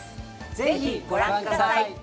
ぜひご覧ください！